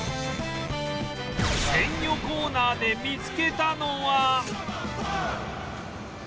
鮮魚コーナーで見つけたのは